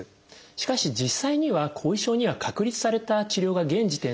しかし実際には後遺症には確立された治療が現時点ではありません。